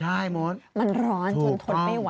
ใช่โม้นถูกต้องมันร้อนจนทดไม่ไหว